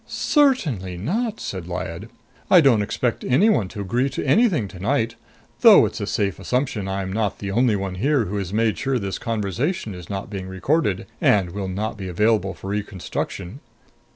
"Certainly not," said Lyad. "I don't expect anyone to agree to anything tonight though it's a safe assumption I'm not the only one here who has made sure this conversation is not being recorded, and will not be available for reconstruction.